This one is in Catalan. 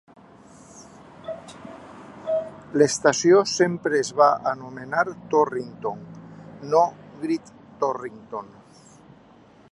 L'estació sempre es va anomenar "Torrington", no "Great Torrington".